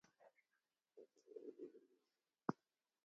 رال بِدراگی ہِمت تھوئی، نہ جو ݜوئی تس بےکار